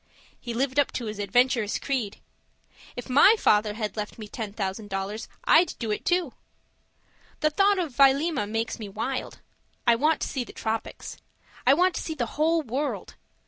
He lived up to his adventurous creed. If my father had left me ten thousand dollars, I'd do it, too. The thought of Vailima makes me wild. I want to see the tropics. I want to see the whole world.